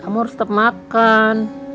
kamu harus tetap makan